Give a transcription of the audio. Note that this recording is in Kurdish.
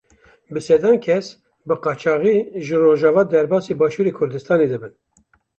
Bi sedan kes bi qaçaxî ji Rojava derbasî Başûrê Kurdistanê dibin.